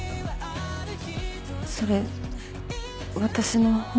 それ私の本名。